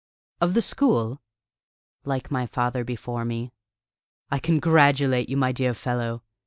"Of the school?" "Like my father before me." "I congratulate you, my dear fellow!"